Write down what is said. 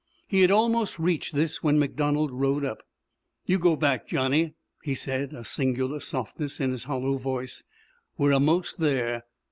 He had almost reached this when MacDonald rode up. "You go back, Johnny," he said, a singular softness in his hollow voice. "We're a'most there."